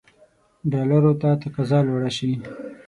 ډالرو ته تقاضا لوړه شي.